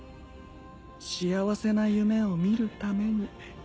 幸せな夢を見るために。